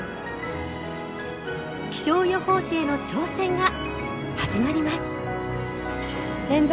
気象予報士への挑戦が始まります！